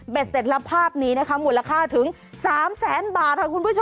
เบชต์เด็ดรับภาพนี้มูลค่าถึง๓๐๐๐๐๐บาทครับคุณผู้ชม